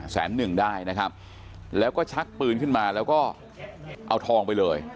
แสนหนึ่งได้นะครับแล้วก็ชักปืนขึ้นมาแล้วก็เอาทองไปเลย